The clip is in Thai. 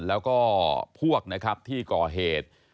และก็พวกที่ก่อเหตุ